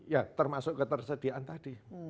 ya termasuk ketersediaan tadi